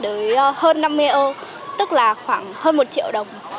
đến hơn năm mươi eo tức là khoảng hơn một triệu đồng